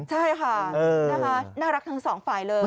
ใช่ค่ะน่ารักทั้งสองฝ่ายเลย